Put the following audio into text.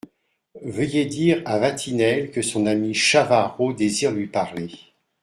Veuillez dire à Vatinelle que son ami Chavarot désire lui parler…